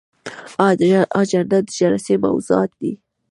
اجنډا د جلسې موضوعات دي